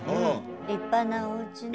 立派なおうちね。